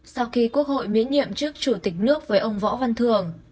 sau khi quốc hội miễn nhiệm chức chủ tịch nước với ông võ văn thường